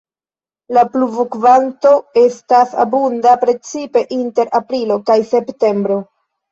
La pluvokvanto estas abunda precipe inter aprilo kaj septembro.